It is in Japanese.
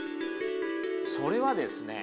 それはですね